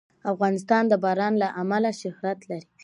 افغانستان د باران له امله شهرت لري.